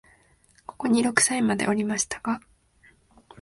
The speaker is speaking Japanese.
ここに六歳までおりましたが、